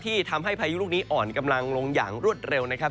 ที่ทำให้พายุลูกนี้อ่อนกำลังลงอย่างรวดเร็วนะครับ